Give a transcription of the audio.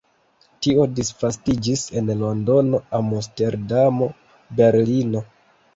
Tio disvastiĝis en Londono, Amsterdamo, Berlino.